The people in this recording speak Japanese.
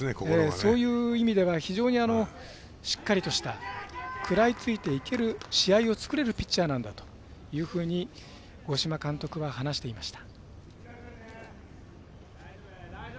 そういう意味ではしっかりとした食らいついていける試合を作れるピッチャーなんだというふうに五島監督は話していました。